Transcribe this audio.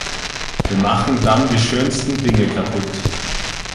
Wir machen dann die schönsten Dinge kaputt.